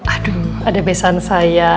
aduh ada besan saya